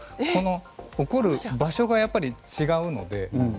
起こる場所がやっぱり違うので。